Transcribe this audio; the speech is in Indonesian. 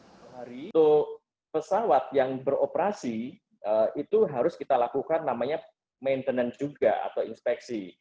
pesawat yang beroperasi itu harus kita lakukan namanya maintenance juga atau inspeksi